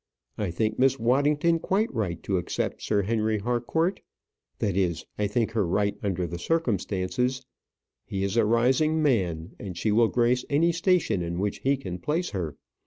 I think Miss Waddington quite right to accept Sir Henry Harcourt. That is, I think her right under the circumstances. He is a rising man, and she will grace any station in which he can place her.